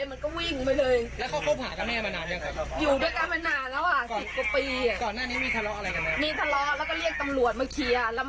แล้วมันก็ไล่มันออกจากบ้านไป